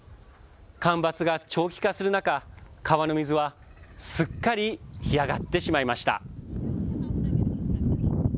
干ばつが長期化する中、川の水はすっかり干上がってしまいました。